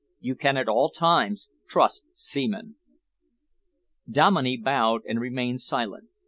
You can at all times trust Seaman." Dominey bowed and remained silent.